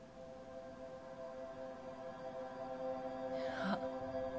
あっ。